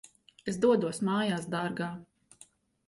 Es dodos mājās, dārgā.